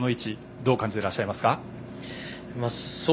どう感じていらっしゃいますか。